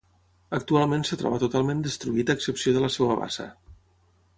Actualment es troba totalment destruït a excepció de la seva bassa.